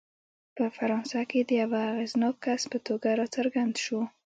په فرانسه کې د یوه اغېزناک کس په توګه راڅرګند شو.